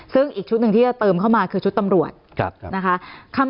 ซึ่งอีกชุดหนึ่งที่จะเติมเข้ามาคือชุดตำรวจนะคะ